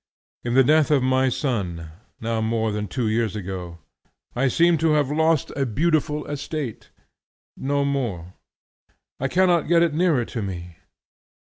In the death of my son, now more than two years ago, I seem to have lost a beautiful estate, no more. I cannot get it nearer to me.